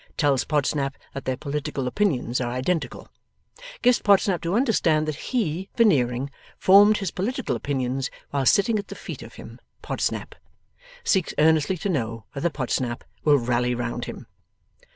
Tells Podsnap that their political opinions are identical. Gives Podsnap to understand that he, Veneering, formed his political opinions while sitting at the feet of him, Podsnap. Seeks earnestly to know whether Podsnap 'will rally round him?